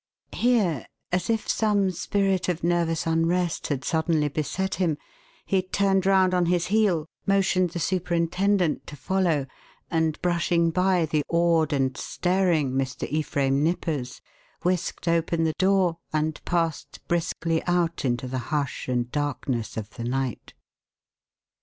Here, as if some spirit of nervous unrest had suddenly beset him, he turned round on his heel, motioned the superintendent to follow, and brushing by the awed and staring Mr. Ephraim Nippers, whisked open the door and passed briskly out into the hush and darkness of the night.